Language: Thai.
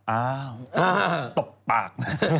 อ้าวตบปาก